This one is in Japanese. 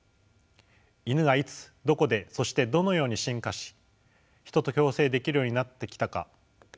イヌがいつどこでそしてどのように進化しヒトと共生できるようになってきたか。